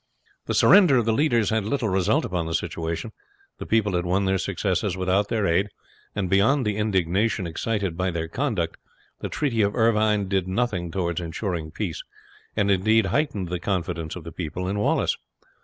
The surrender of the leaders had little result upon the situation. The people had won their successes without their aid, and beyond the indignation excited by their conduct, the treaty of Irvine did nothing towards ensuring peace, and indeed heightened the confidence of the people in Wallace.